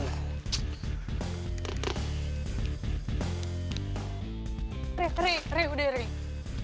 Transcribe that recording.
reh reh reh udah reh